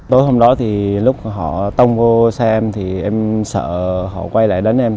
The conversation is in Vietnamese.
tối hôm đó thì lúc họ tông vô xe em thì em sợ họ quay lại đến em